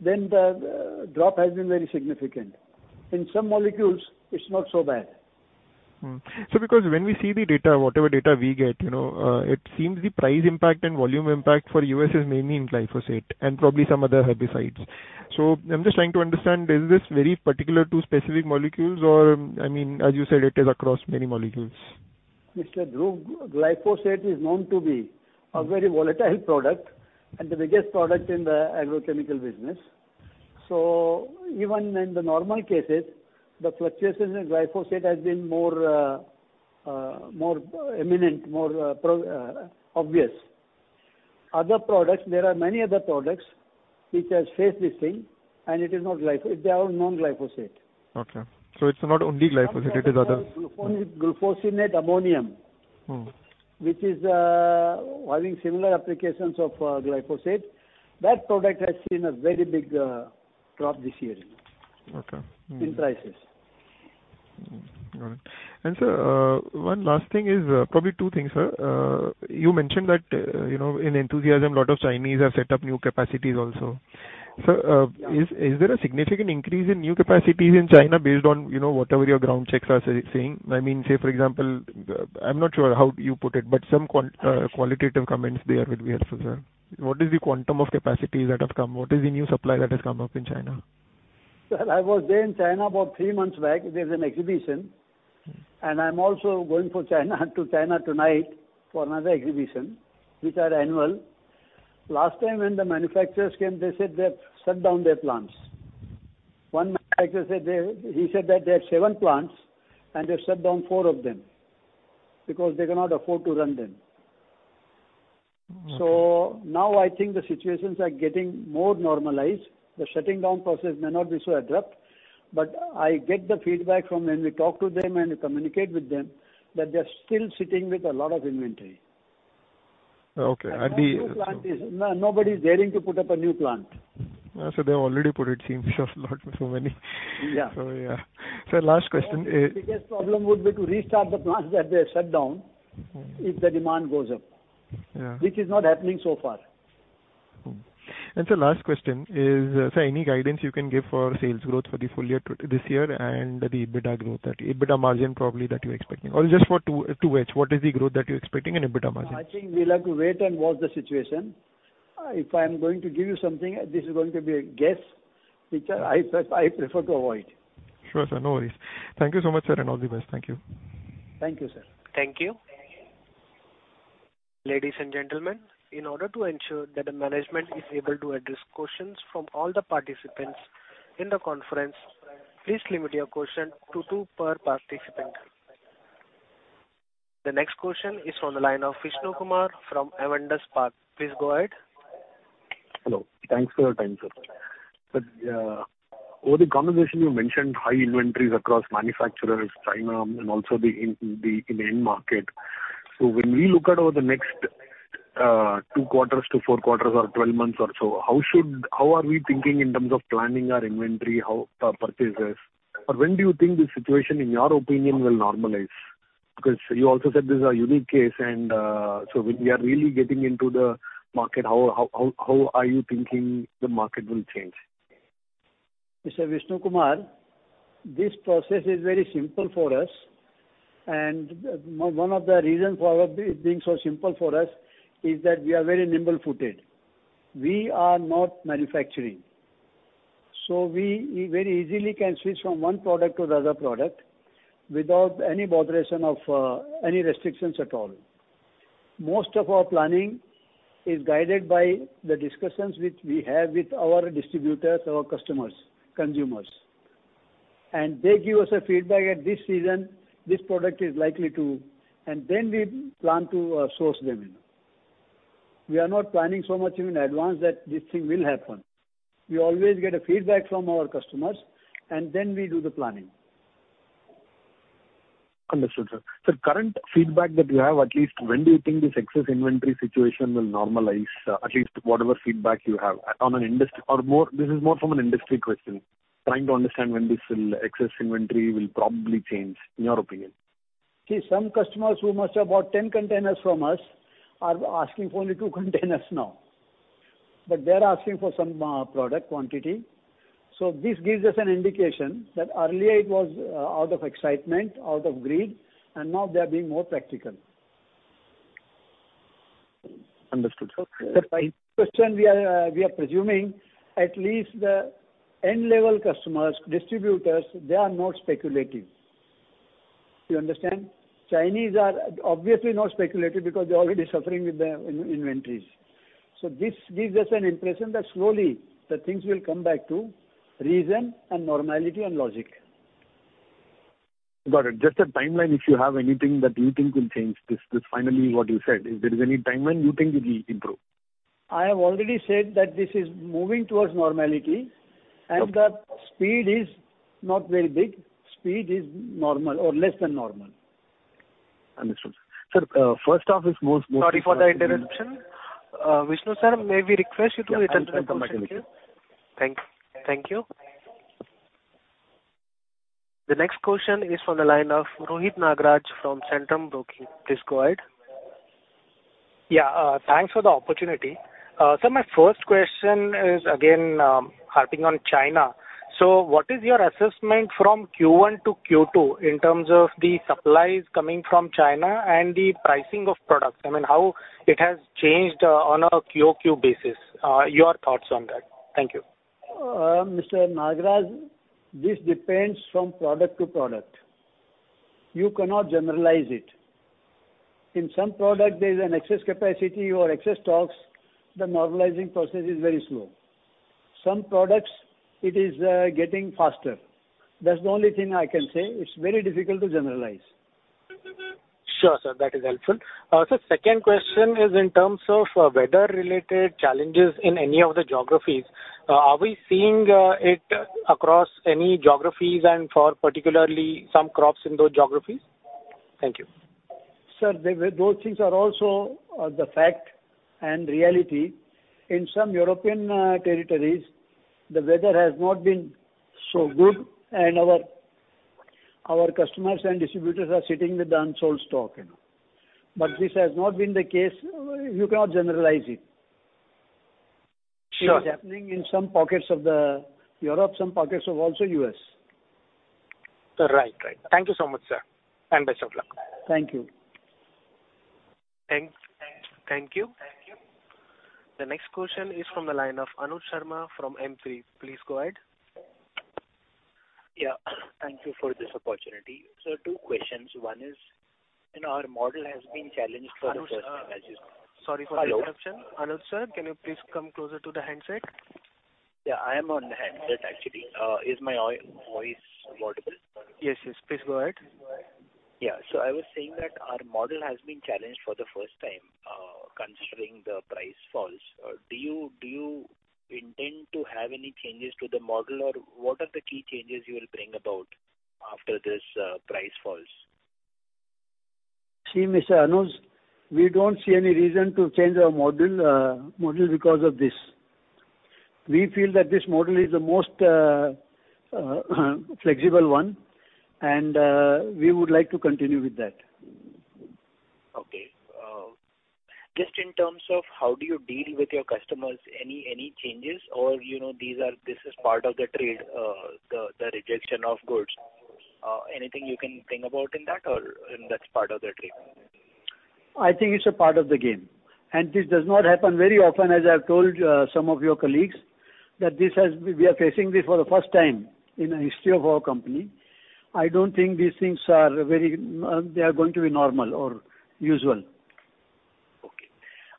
C: then the drop has been very significant. In some molecules, it's not so bad.
L: Mm. So because when we see the data, whatever data we get, you know, it seems the price impact and volume impact for U.S. is mainly in Glyphosate and probably some other herbicides. So I'm just trying to understand, is this very particular to specific molecules? Or, I mean, as you said, it is across many molecules.
C: Mr. Dhruv, Glyphosate is known to be a very volatile product and the biggest product in the agrochemical business. So even in the normal cases, the fluctuations in Glyphosate has been more prominent, more obvious. Other products, there are many other products which has faced this thing, and it is not Glyphosate—they are non-Glyphosate.
L: Okay. It's not only Glyphosate, it is other-
C: Glyphosate, glufosinate ammonium
L: Mm.
C: Which is having similar applications of Glyphosate. That product has seen a very big drop this year.
L: Okay. Mm.
C: In prices.
L: Got it. And, sir, one last thing is, probably two things, sir. You mentioned that, you know, in enthusiasm, a lot of Chinese have set up new capacities also. Sir, is there a significant increase in new capacities in China based on, you know, whatever your ground checks are saying? I mean, say, for example, I'm not sure how you put it, but some qualitative comments there will be helpful, sir. What is the quantum of capacities that have come? What is the new supply that has come up in China?
C: Well, I was there in China about three months back. There's an exhibition, and I'm also going for China, to China tonight for another exhibition, which are annual. Last time when the manufacturers came, they said they have shut down their plants. One manufacturer said they, he said that they had seven plants, and they've shut down four of them because they cannot afford to run them. Now I think the situations are getting more normalized. The shutting down process may not be so abrupt, but I get the feedback from when we talk to them and communicate with them, that they're still sitting with a lot of inventory.
L: Okay, and the
C: No, nobody's daring to put up a new plant.
L: So they've already put it, seems, of not so many.
C: Yeah.
L: Yeah. Sir, last question,
C: The biggest problem would be to restart the plants that they have shut down-
L: Mm.
C: If the demand goes up.
L: Yeah.
C: Which is not happening so far.
L: And sir, last question is, sir, any guidance you can give for sales growth for the full year 2024 this year and the EBITDA growth, that EBITDA margin probably that you're expecting? Or just for Q2 FY24, what is the growth that you're expecting in EBITDA margin?
C: I think we'll have to wait and watch the situation. If I'm going to give you something, this is going to be a guess, which I prefer to avoid.
L: Sure, sir. No worries. Thank you so much, sir, and all the best. Thank you.
C: Thank you, sir.
A: Thank you. Ladies and gentlemen, in order to ensure that the management is able to address questions from all the participants in the conference, please limit your question to two per participant. The next question is on the line of Vishnu Kumar from Avendus Spark. Please go ahead.
M: Hello. Thanks for your time, sir. But over the conversation, you mentioned high inventories across manufacturers, China, and also the end market. So when we look at over the next two quarters to four quarters or 12 months or so, how should... How are we thinking in terms of planning our inventory, how purchases? Or when do you think this situation, in your opinion, will normalize? Because you also said this is a unique case, and so when we are really getting into the market, how are you thinking the market will change?
C: Mr. Vishnu Kumar, this process is very simple for us, and one of the reasons for our it being so simple for us is that we are very nimble-footed. We are not manufacturing, so we, we very easily can switch from one product to the other product without any botheration of any restrictions at all. Most of our planning is guided by the discussions which we have with our distributors, our customers, consumers. And they give us a feedback, at this season, this product is likely to... And then we plan to source them in. We are not planning so much in advance that this thing will happen. We always get a feedback from our customers, and then we do the planning.
M: Understood, sir. So current feedback that you have, at least when do you think this excess inventory situation will normalize? At least whatever feedback you have on an industry or more, this is more from an industry question. Trying to understand when this will, excess inventory will probably change, in your opinion.
C: See, some customers who must have bought 10 containers from us are asking for only two containers now... but they're asking for some product quantity. So this gives us an indication that earlier it was out of excitement, out of greed, and now they are being more practical.
M: Understood, sir.
C: The question we are, we are presuming at least the end level customers, distributors, they are not speculating. Do you understand? Chinese are obviously not speculating because they're already suffering with the inventories. So this gives us an impression that slowly the things will come back to reason and normality and logic.
M: Got it. Just a timeline, if you have anything that you think will change this, this finally, what you said, if there is any timeline you think it will improve?
C: I have already said that this is moving towards normality, and the speed is not very big. Speed is normal or less than normal.
M: Understood. Sir, first off, is most-
A: Sorry for the interruption. Vishnu, sir, may we request you to return to the queue, please? Thank you. The next question is from the line of Rohit Nagaraj from Centrum Broking. Please go ahead.
N: Yeah, thanks for the opportunity. So my first question is, again, harping on China. So what is your assessment from Q1 to Q2 in terms of the supplies coming from China and the pricing of products? I mean, how it has changed, on a QOQ basis. Your thoughts on that? Thank you.
C: Mr. Nagaraj, this depends from product to product. You cannot generalize it. In some product, there is an excess capacity or excess stocks. The normalizing process is very slow. Some products, it is getting faster. That's the only thing I can say. It's very difficult to generalize.
N: Sure, sir. That is helpful. Sir, second question is in terms of weather-related challenges in any of the geographies. Are we seeing it across any geographies and for particularly some crops in those geographies? Thank you.
C: Sir, those things are also the fact and reality. In some European territories, the weather has not been so good, and our customers and distributors are sitting with the unsold stock, you know. But this has not been the case. You cannot generalize it.
N: Sure.
C: It's happening in some pockets of the Europe, some pockets of also U.S.
N: Right. Right. Thank you so much, sir, and best of luck.
C: Thank you.
A: Thank you. The next question is from the line of Anuj Sharma from M3. Please go ahead.
O: Yeah. Thank you for this opportunity. So two questions. One is, you know, our model has been challenged for the first time as you-
A: Sorry for the interruption. Anuj, sir, can you please come closer to the handset?
O: Yeah, I am on the handset actually. Is my voice audible?
A: Yes, yes. Please go ahead.
O: Yeah. So I was saying that our model has been challenged for the first time, considering the price falls. Do you, do you intend to have any changes to the model, or what are the key changes you will bring about after this, price falls?
C: See, Mr. Anuj, we don't see any reason to change our model because of this. We feel that this model is the most flexible one, and we would like to continue with that.
O: Okay. Just in terms of how do you deal with your customers, any, any changes or, you know, these are, this is part of the trade, the, the rejection of goods. Anything you can think about in that or, and that's part of the trade?
C: I think it's a part of the game, and this does not happen very often. As I've told some of your colleagues that this has... We are facing this for the first time in the history of our company. I don't think these things are very, they are going to be normal or usual.
O: Okay.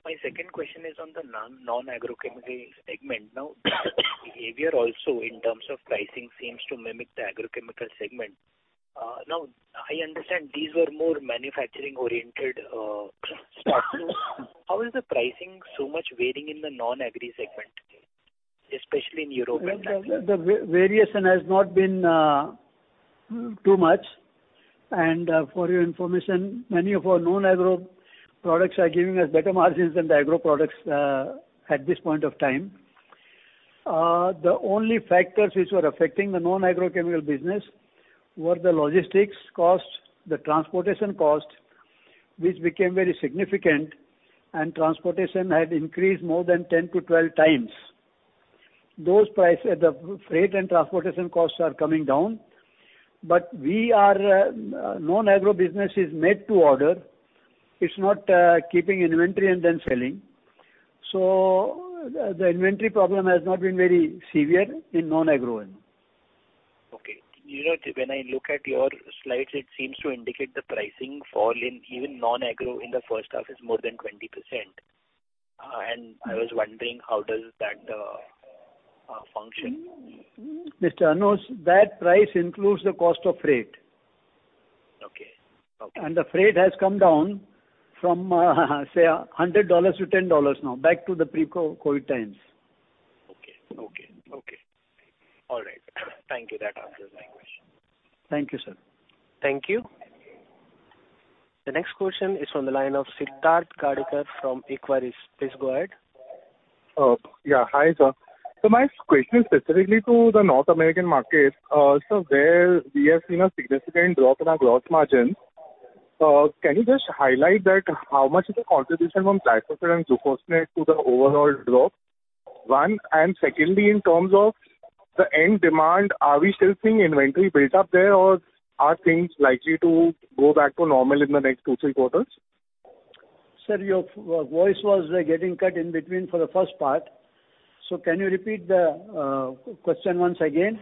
O: My second question is on the non-agrochemical segment. Now, behavior also in terms of pricing seems to mimic the agrochemical segment. Now, I understand these were more manufacturing-oriented stocks. How is the pricing so much varying in the non-agro segment, especially in Europe and-
C: The variation has not been too much. For your information, many of our non-agro products are giving us better margins than the agro products at this point of time. The only factors which were affecting the non-agrochemical business were the logistics costs, the transportation costs, which became very significant, and transportation had increased more than 10-12x. Those prices, the freight and transportation costs are coming down, but we are, non-agro business is made to order. It's not keeping inventory and then selling. So the inventory problem has not been very severe in non-agro end.
O: Okay. You know, when I look at your slides, it seems to indicate the pricing fall in even non-agro in the first half is more than 20%. And I was wondering, how does that function?
C: Mr. Anuj, that price includes the cost of freight.
O: Okay. Okay.
C: The freight has come down from, say, $100 to $10 now, back to the pre-COVID times.
O: Okay. Okay. Okay. All right. Thank you. That answers my question.
C: Thank you, sir.
A: Thank you. The next question is from the line of Siddharth Gadekar from Equirus. Please go ahead.
P: Yeah. Hi, sir. My question is specifically to the North American market, where we have seen a significant drop in our gross margins. Can you just highlight how much is the contribution from Glyphosate and glufosinate to the overall drop? One, and secondly, in terms of the end demand, are we still seeing inventory built up there, or are things likely to go back to normal in the next two, three quarters?
C: Sir, your voice was getting cut in between for the first part, so can you repeat the question once again?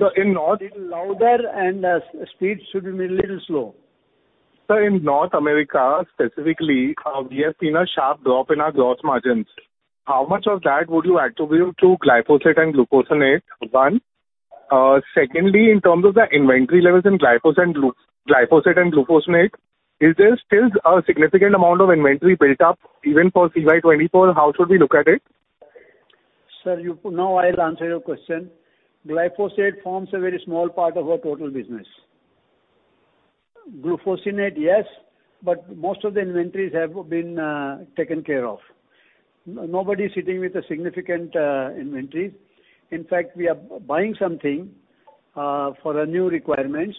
P: So in North
C: A little louder and speed should be a little slow.
P: Sir, in North America, specifically, we have seen a sharp drop in our gross margins. How much of that would you attribute to Glyphosate and glufosinate? 1. Secondly, in terms of the inventory levels in Glyphosate and glufosinate, is there still a significant amount of inventory built up even for CY 2024? How should we look at it?
C: Sir, you... Now I'll answer your question. Glyphosate forms a very small part of our total business. Glufosinate, yes, but most of the inventories have been taken care of. Nobody is sitting with a significant inventory. In fact, we are buying something for the new requirements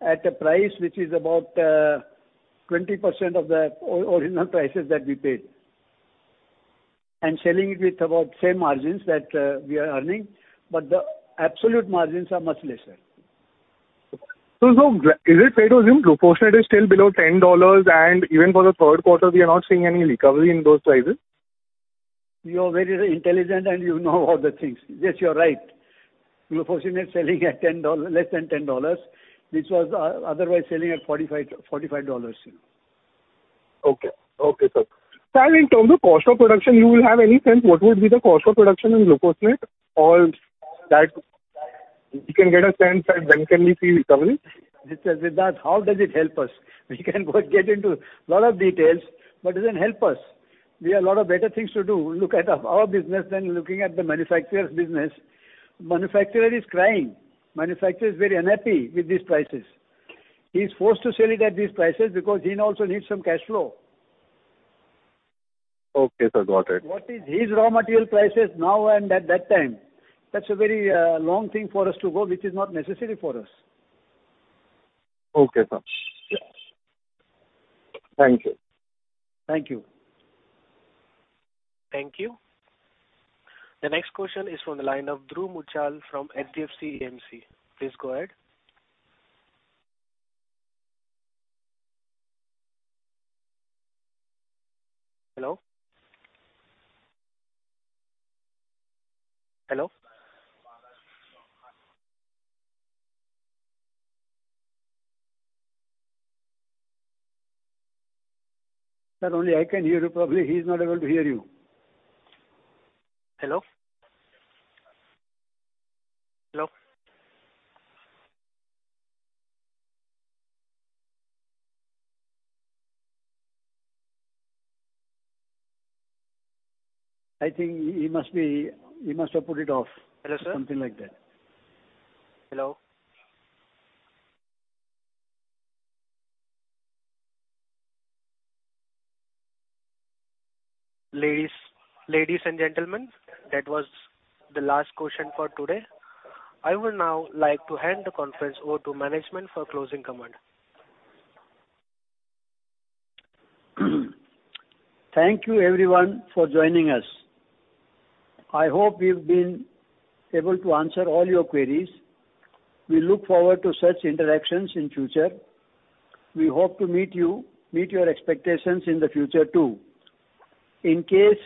C: at a price which is about 20% of the original prices that we paid. And selling it with about same margins that we are earning, but the absolute margins are much lesser.
P: Is it fair to assume glufosinate is still below $10, and even for the third quarter, we are not seeing any recovery in those prices?
C: You are very intelligent, and you know all the things. Yes, you're right. Glufosinate selling at $10- less than $10, which was otherwise selling at $45, $45.
P: Okay. Okay, sir. Sir, in terms of cost of production, you will have any sense what would be the cost of production in glufosinate or that we can get a sense that when can we see recovery?
C: Mr. Vidyut, how does it help us? We can go get into a lot of details, but does it help us? We have a lot of better things to do, look at our, our business than looking at the manufacturer's business. Manufacturer is crying. Manufacturer is very unhappy with these prices. He's forced to sell it at these prices because he also needs some cash flow.
P: Okay, sir. Got it.
C: What is his raw material prices now and at that time? That's a very, long thing for us to go, which is not necessary for us.
P: Okay, sir.
C: Yes.
P: Thank you.
C: Thank you.
A: Thank you. The next question is from the line of Dhruv Muchhal from HDFC AMC. Please go ahead. Hello? Hello?
C: Sir, only I can hear you. Probably, he's not able to hear you.
A: Hello? Hello?
C: I think he must be... He must have put it off-
A: Hello, sir?
C: Or something like that.
A: Hello? Ladies, ladies and gentlemen, that was the last question for today. I would now like to hand the conference over to management for closing comment.
C: Thank you everyone for joining us. I hope we've been able to answer all your queries. We look forward to such interactions in future. We hope to meet you- meet your expectations in the future, too. In case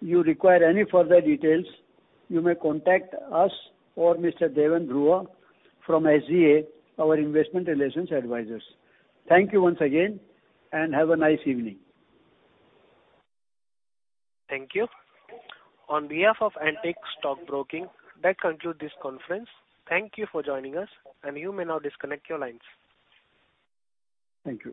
C: you require any further details, you may contact us or Mr. Deven Dhruva from HGA, our Investor Relations advisors. Thank you once again, and have a nice evening.
A: Thank you. On behalf of Antique Stock Broking, that concludes this conference. Thank you for joining us, and you may now disconnect your lines.
C: Thank you.